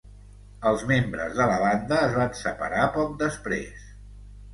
Els membres de la banda es van separar poc després.